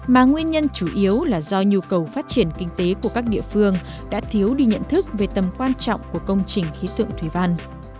mà nguyên nhân chủ yếu là do nhu cầu phát triển kinh tế của các địa phương đã thiếu đi nhận thức về tầm quan trọng của công trình khí tượng thủy văn